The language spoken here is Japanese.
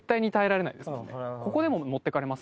ここでも持っていかれます